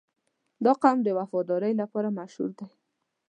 • دا قوم د وفادارۍ لپاره مشهور دی.